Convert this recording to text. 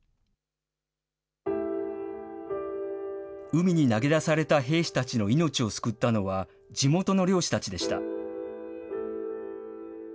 海に投げ出された兵士たちの命を救ったのは、地元の漁師たちでした。